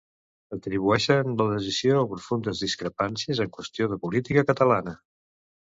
Atribueixen la decisió a profundes discrepàncies en qüestions de política catalana.